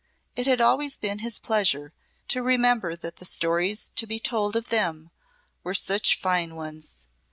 It had always been his pleasure to remember that the stories to be told of them were such fine ones.